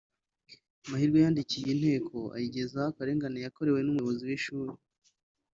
Mahirwe yandikiye Inteko ayigezaho akarengane yakorewe n’Umuyobozi w’Ishuri